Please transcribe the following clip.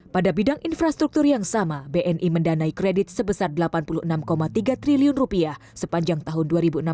pada bidang infrastruktur yang sama bni mendanai kredit sebesar rp delapan puluh enam tiga triliun sepanjang tahun dua ribu enam belas